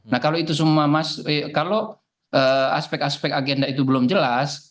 nah kalau itu semua kalau aspek aspek agenda itu belum jelas